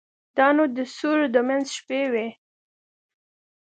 دا نو د ثور د منځ شپې وې.